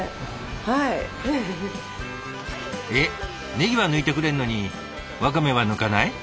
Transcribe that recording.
ネギは抜いてくれるのにワカメは抜かない？